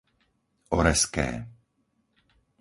Oreské